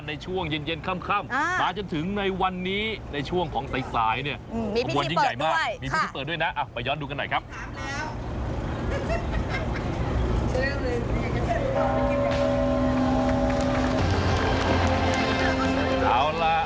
ตั้งแต่เมื่อวานในช่วงเย็นค่ำ